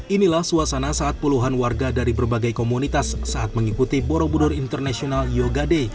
inilah suasana saat puluhan warga dari berbagai komunitas saat mengikuti borobudur international yoga day